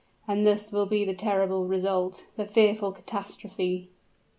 And thus will be the terrible result the fearful catastrophe."